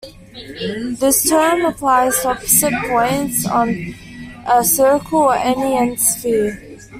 This term applies to opposite points on a circle or any n-sphere.